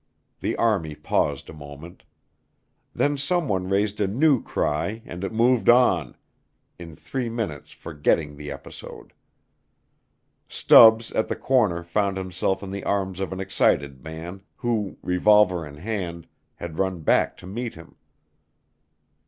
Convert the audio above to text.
The army paused a moment. Then someone raised a new cry and it moved on, in three minutes forgetting the episode. Stubbs at the corner found himself in the arms of an excited man, who, revolver in hand, had run back to meet him.